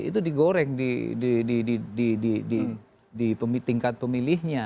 itu digoreng di tingkat pemilihnya